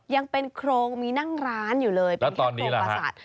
ยังเป็นโครงมีนั่งร้านอยู่เลยเป็นแค่โครงประสาท